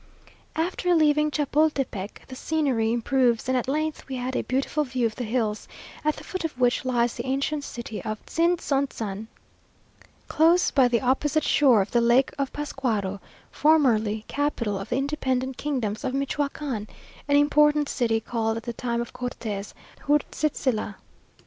After leaving Chapultepec, the scenery improves, and at length we had a beautiful view of the hills, at the foot of which lies the ancient city of Tzintzontsan, close by the opposite shore of the Lake of Pascuaro; formerly capital of the independent kingdom of Michoacán, an important city, called at the time of Cortes, Hurtzitzila.